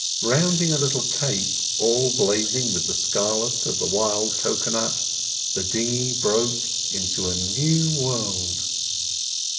Rounding a little cape, all blazing with the scarlet of the wild cocoa nut, the dinghy broke into a new world.